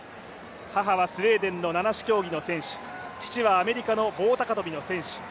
母はスウェーデンの七種競技の選手、父はアメリカの棒高跳の選手。